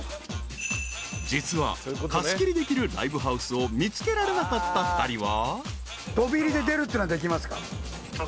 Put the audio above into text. ［実は貸し切りできるライブハウスを見つけられなかった２人は］